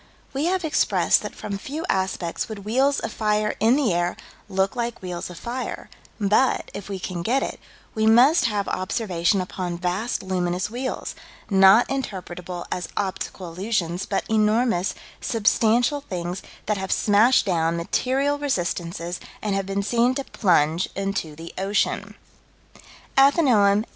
We have expressed that from few aspects would wheels of fire in the air look like wheels of fire, but, if we can get it, we must have observation upon vast luminous wheels, not interpretable as optical illusions, but enormous, substantial things that have smashed down material resistances, and have been seen to plunge into the ocean: Athenæum, 1848 833: That at the meeting of the British Association, 1848, Sir W.